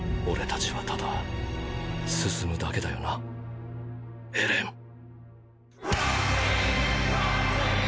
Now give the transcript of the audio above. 俺たちはただ進むだけだよなエレン。